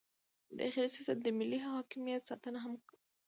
داخلي سیاست د ملي حاکمیت ساتنه هم ده.